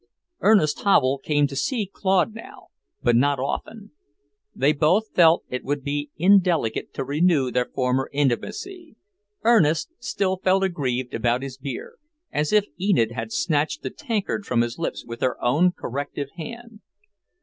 Ernest Havel came to see Claude now, but not often. They both felt it would be indelicate to renew their former intimacy. Ernest still felt aggrieved about his beer, as if Enid had snatched the tankard from his lips with her own corrective hand.